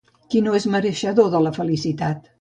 Qui no és mereixedor de la felicitat?